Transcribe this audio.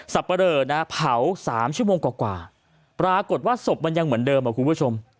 ปะเรอนะเผา๓ชั่วโมงกว่าปรากฏว่าศพมันยังเหมือนเดิมครับคุณผู้ชม